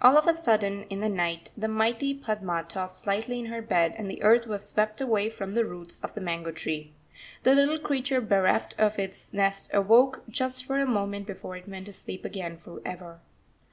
All of a sudden, in the night, the mighty Padma tossed slightly in her bed, and the earth was swept away from the roots of the mango tree. The little creature bereft of its nest awoke just for a moment before it went to sleep again for ever.